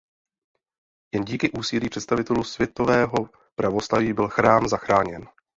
Jen díky úsilí představitelů světového pravoslaví byl chrám zachráněn.